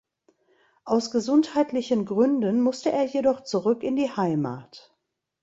Aus gesundheitlichen Gründen musste er jedoch zurück in die Heimat.